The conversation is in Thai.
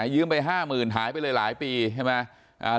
ยืมไป๕๐๐๐หายไปเลยหลายปีใช่ไหม